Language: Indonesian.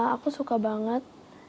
aku suka banget